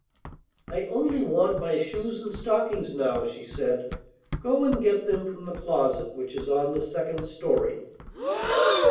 'I only want my shoes and stockings now,' she said. 'Go and get them from the closet which is on the second story.